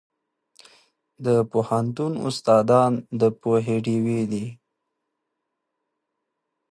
د پوهنتون استادان د پوهې ډیوې دي.